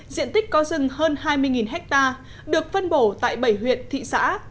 diện tích có rừng hơn hai mươi ha được phân bổ tại bảy huyện thị xã